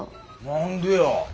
何でや。